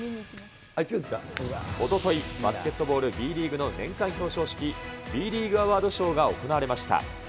おととい、バスケットボールＢリーグの年間表彰式、Ｂリーグアワードショーが行われました。